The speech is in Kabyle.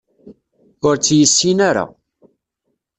Ur tt-yessin ara